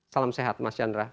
salam sehat mas chandra